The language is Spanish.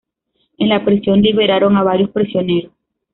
En la prisión liberaron a varios prisioneros.